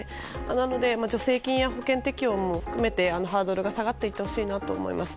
なので、助成金や保険適用も含めて、ハードルが下がっていってほしいなと思います。